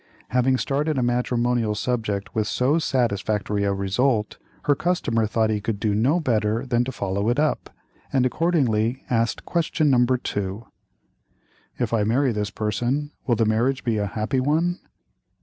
Having started a matrimonial subject with so satisfactory a result, her customer thought he could do no better than to follow it up, and accordingly asked question No. 2: "If I marry this person, will the marriage be a happy one?"